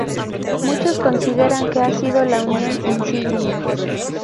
Muchos consideran que ha sido la unión insignia.